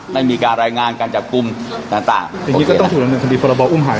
ไม่มีการรายงานการจับกุมต่างต่างอย่างงี้ก็ต้องถูกรับหนึ่งคดีพรบออุ้มหาย